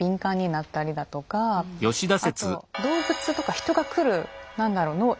あと動物とか人が来る何だろう